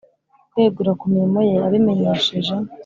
Kwegura ku mirimo ye abimenyesheje